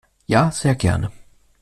Ja, sehr gerne.